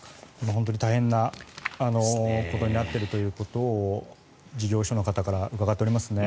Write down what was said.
本当に大変なことになっているということを事業者の方から伺っておりますね。